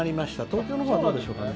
東京のほうはどうでしょうか。